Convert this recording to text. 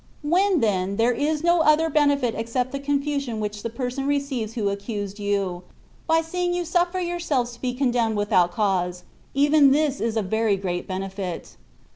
* When, then, there is no other benefit except the concision which the per son receives who accused you, by seeing you suffer yourselves to be condemned without cause, even this is a very great benefit.